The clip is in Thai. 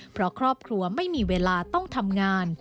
เพราะครอบครัวไม่มีเวลาต้องทำงาน